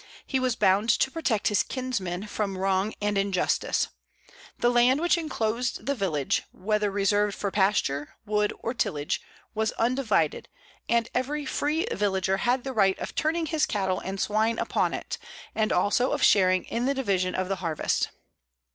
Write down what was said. He was bound to protect his kinsmen from wrong and injustice. The land which inclosed the village, whether reserved for pasture, wood, or tillage, was undivided, and every free villager had the right of turning his cattle and swine upon it, and also of sharing in the division of the harvest.